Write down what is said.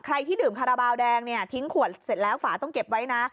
ใครที่ดื่มคาราบาลแดงเนี่ยทิ้งขวดเสร็จแล้วฝาต้องเก็บไว้นะ